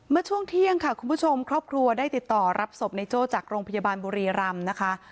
เมื่อช่วงเที่ยงค่ะคุณผู้ชมครอบครัวได้ติดต่อรับศพในโจ้จากโรงพยาบาลบุรีรำนะคะ